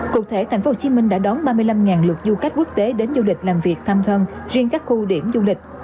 cụ thể tp hcm đã đón ba mươi năm lượt du khách quốc tế đến du lịch làm việc thăm thân riêng các khu điểm du lịch